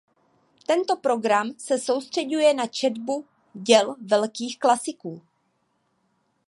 Tento program se soustřeďuje na četbu děl velkých klasiků.